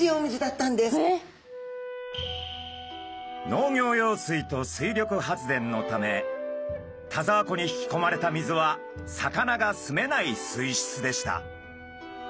農業用水と水力発電のため田沢湖に引きこまれた水は魚がすめない水質でした。